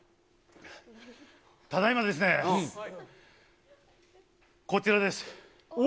ただいまですね、こちらです。